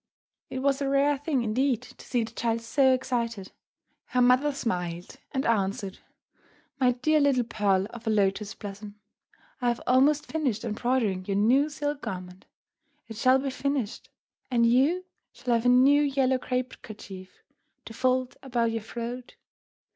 It was a rare thing indeed to see the child so excited. Her mother smiled, and answered, "My dear little pearl of a Lotus Blossom, I have almost finished embroidering your new silk garment. It shall be finished, and you shall have a new yellow crape kerchief to fold about your throat.